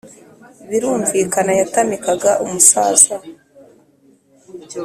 birumvikana yatamikaga umusaza